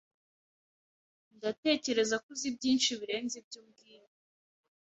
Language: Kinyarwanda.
[S] Ndatekereza ko uzi byinshi birenze ibyo umbwira.